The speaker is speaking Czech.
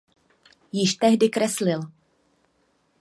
Již tehdy kreslil.